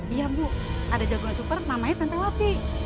iya bu ada jagoan super namanya tempewati